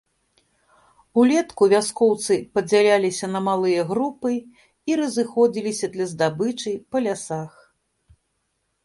Улетку вяскоўцы падзяляліся на малыя групы і разыходзіліся для здабычы па лясах.